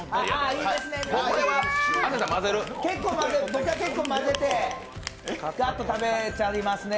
僕は結構混ぜて食べちゃいますね。